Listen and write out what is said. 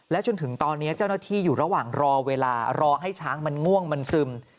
จนถึงตอนนี้เจ้าหน้าที่อยู่ระหว่างรอเวลารอให้ช้างมันง่วงมันซึม